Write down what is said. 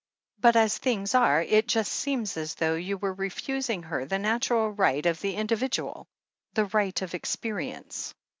But as things are, it just seems as though you were refusing her the natural right of the individual — the right of experience."